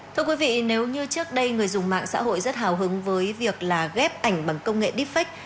thưa quý vị nếu như trước đây người dùng mạng xã hội rất hào hứng với việc là ghép ảnh bằng công nghệ deepfake